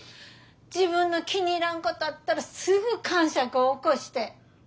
自分の気に入らんことあったらすぐかんしゃく起こして。